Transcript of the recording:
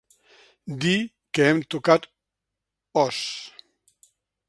…dir que hem tocat os.